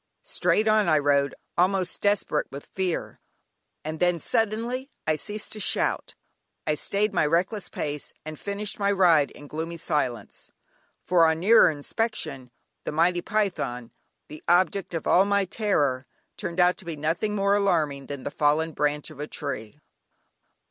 Straight on I rode, almost desperate with fear, and then suddenly I ceased to shout, I stayed my reckless pace, and finished my ride in gloomy silence, for on nearer inspection the mighty python, the object of all my terror, turned out to be nothing more alarming than the fallen branch of a tree.